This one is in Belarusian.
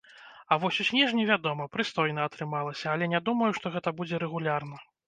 А вось у снежні, вядома, прыстойна атрымалася, але не думаю, што гэта будзе рэгулярна.